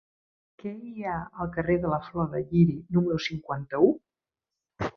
Què hi ha al carrer de la Flor de Lliri número cinquanta-u?